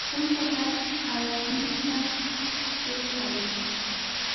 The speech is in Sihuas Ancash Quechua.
Puntata ayaqninta hurqay.